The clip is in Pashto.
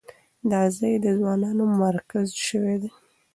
دا ځای د ځوانانو مرکز شوی دی.